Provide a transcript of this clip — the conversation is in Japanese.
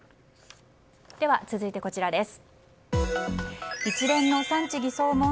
では、続いてこちらです。